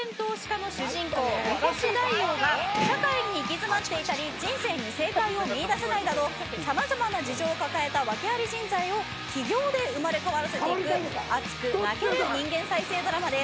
投資家の主人公社会に行き詰まっていたり人生に正解を見出せないなどさまざまな事情を抱えた訳あり人材を起業で生まれ変わらせる熱く泣ける人間再生ドラマです。